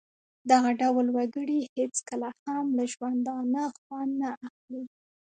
دغه ډول وګړي هېڅکله هم له ژوندانه خوند نه اخلي.